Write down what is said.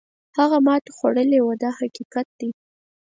هغه ماتې خوړل وو دا حقیقت دی.